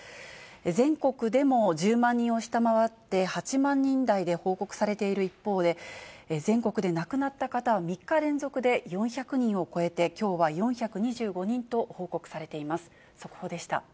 全国でも１０万人を下回って、８万人台で報告されている一方で、全国で亡くなった方は３日連続で４００人を超えて、きょうは４２５人と報告されています。